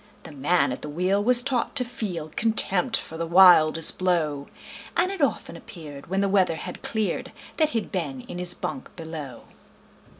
The man at the wheel was taught to feel Contempt for the wildest blow, And it often appeared, when the weather had cleared, That he'd been in his bunk below.